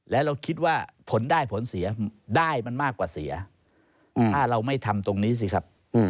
แล้วเราคิดว่าผลได้ผลเสียได้มันมากกว่าเสียถ้าเราไม่ทำตรงนี้สิครับ